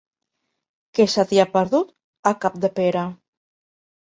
Què se t'hi ha perdut, a Capdepera?